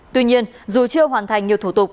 tuy nhiên dù chưa hoàn thành nhiều thủ tục